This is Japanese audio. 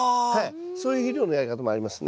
そういう肥料のやり方もありますね。